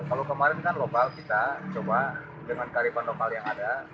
kalau kemarin kan lokal kita coba dengan karipan lokal yang ada